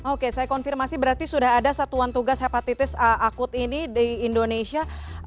oke saya konfirmasi berarti sudah ada satuan tugas hepatitis akut ini di indonesia